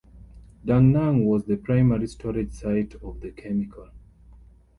Da Nang was the primary storage site of the chemical.